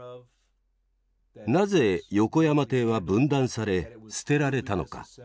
なぜ横山艇は分断され捨てられたのか。